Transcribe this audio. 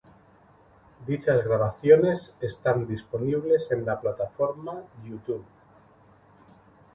Dichas grabaciones están disponibles en la plataforma YouTube.